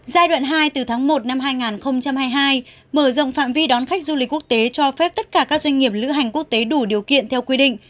giai đoạn hai từ tháng một năm hai nghìn hai mươi hai mở rộng phạm vi đón khách du lịch quốc tế cho phép tất cả các doanh nghiệp lữ hành quốc tế đủ điều kiện theo quy định